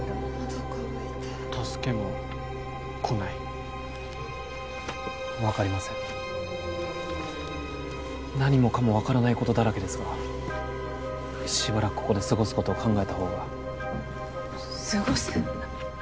・のど渇いた助けも来ない分かりません何もかも分からないことだらけですがしばらくここですごすことを考えたほうがすごす？